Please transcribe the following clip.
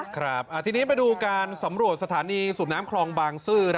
ครับทีนี้มาดูการสำรวจสถานีสูบน้ำคลองบางซื่อ